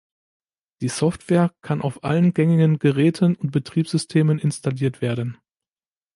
Die Software kann auf allen gängigen Geräten und Betriebssystemen installiert werden.